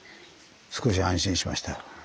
少し安心しました。